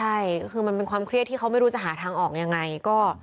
ใช่คือมันเป็นความเครียดที่เขาไม่รู้จะหาทางออกยังไง